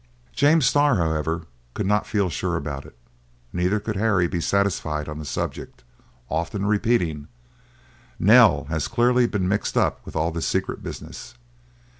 James Starr, however, could not feel sure about it; neither could Harry be satisfied on the subject, often repeating, "Nell has clearly been mixed up with all this secret business.